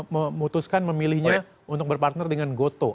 memutuskan memilihnya untuk berpartner dengan goto